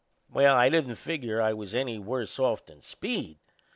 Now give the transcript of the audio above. Well, I didn't figure I was any worse off than Speed.